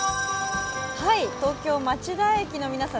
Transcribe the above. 東京・町田駅の皆さん